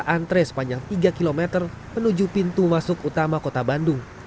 antre sepanjang tiga km menuju pintu masuk utama kota bandung